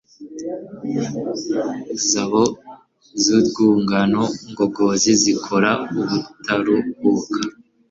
zabo zurwungano ngogozi zikora ubutaruhuka